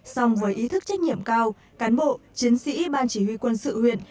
xong với ý thức trách nhiệm cao cán bộ chiến sĩ ban chỉ huy quân sự huyện